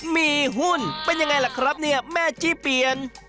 มีหุ้นเป็นยังไงล่ะครับเนี่ยแม่จี้เปลี่ยน